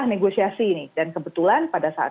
negosiasi ini dan kebetulan pada saat